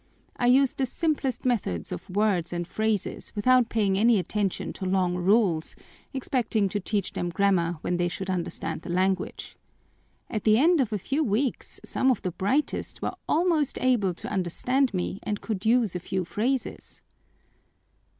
I used the simplest method of words and phrases without paying any attention to long rules, expecting to teach them grammar when they should understand the language. At the end of a few weeks some of the brightest were almost able to understand me and could use a few phrases."